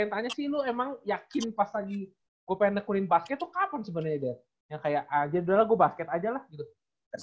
yang kayak aja udah lah gua basket aja lah gitu